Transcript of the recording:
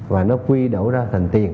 và nó quy đổ ra thành tiền